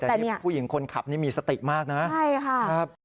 แต่นี่ผู้หญิงคนขับนี่มีสติมากนะใช่ค่ะครับ